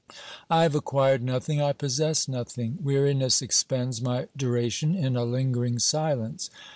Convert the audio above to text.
I have acquired nothing, I possess nothing; weariness expends my duration in a lingering silence.